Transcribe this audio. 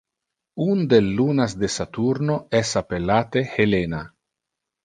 Un del lunas de Saturno es appellate Helena.